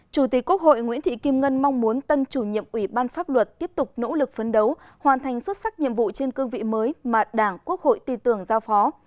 chủ tịch quốc hội nguyễn thị kim ngân mong muốn tân chủ nhiệm ủy ban pháp luật tiếp tục nỗ lực phấn đấu hoàn thành xuất sắc nhiệm vụ trên cương vị mới mà đảng quốc hội tì tưởng giao phó